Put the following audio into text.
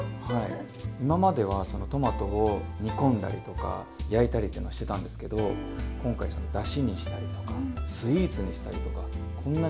今まではそのトマトを煮込んだりとか焼いたりっていうのはしてたんですけど今回そのだしにしたりとかスイーツにしたりとかこんなにトマトの活用